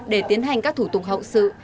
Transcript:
để tiến hành các thủ tục hậu sự